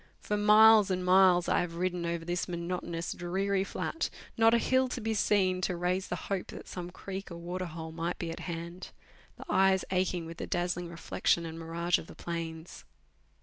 For miles and miles I have ridden over this monotonous, dreary flat, not a hill to be seen to raise the hope that some creek or water hole might be at hand ; the eyes aching with the dazzling reflec tion and mirage of the plains.